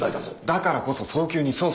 だからこそ早急に捜査を。